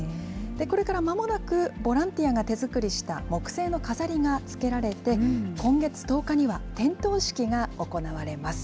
これからまもなく、ボランティアが手作りした木星の飾りがつけられて、今月１０日には点灯式が行われます。